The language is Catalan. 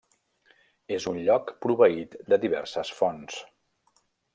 És un lloc proveït de diverses fonts.